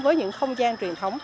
với những không gian truyền thống